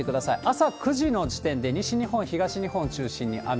朝９時の時点で、西日本、東日本を中心に雨。